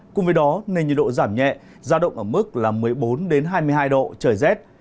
cùng với đó nền nhiệt độ giảm nhẹ ra động ở mức là một mươi bốn đến hai mươi hai độ trời rét